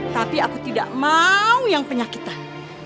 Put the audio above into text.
tapi aku tidak mau yang penyakitan